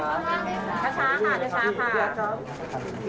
ขอบคุณพี่ด้วยนะครับ